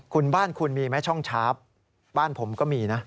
คุณบ้านคุณมีไหมช่องชาร์ฟบ้านผมก็มีนะ